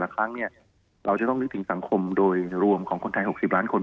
ผมที่จะตัดท่าวนะครับ